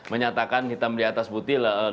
menyatakan hitam di atas putih